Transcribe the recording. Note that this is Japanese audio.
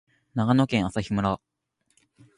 長野県朝日村